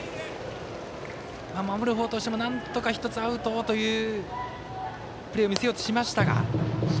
守る方としても、なんとか１つアウトをというプレーを見せようとしましたが。